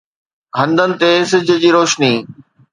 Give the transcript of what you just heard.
هنڌن تي سج جي روشني